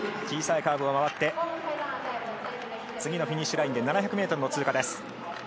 小さいカーブを回って、次のフィニッシュラインで７００ｍの通過です。